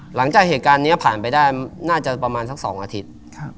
หลังจากเหตุการณ์นี้ผ่านไปได้น่าจะประมาณสัก๒อาทิตย์